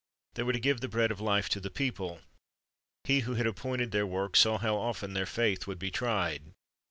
They were to give the bread of life to the people. He who had appointed their work, saw how often their faith would be tried.